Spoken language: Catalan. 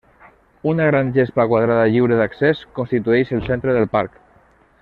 Una gran gespa quadrada lliure d'accés constitueix el centre del parc.